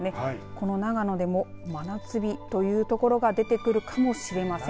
この長野でも真夏日という所が出てくるかもしれません。